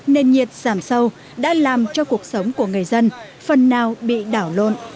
nền nhiệt giảm sâu đã làm cho cuộc sống của người dân phần nào bị đảo lộn